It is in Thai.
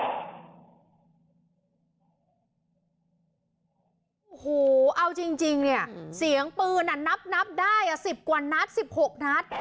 โอ้โหเอาจริงเนี่ยเสียงปืนนับได้๑๐กว่านัด๑๖นัด